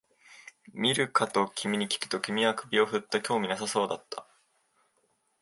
見るかと君にきくと、君は首を振った、興味なさそうだった